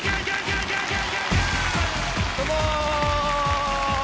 どうも！